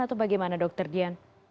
atau bagaimana dokter dian